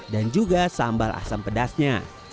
dan juga sambal asam pedasnya